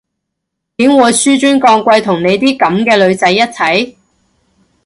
點會紓尊降貴同你啲噉嘅女仔一齊？